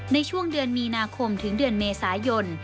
ในช่วงเดือนมีนาคมถึงเดือนเมษายน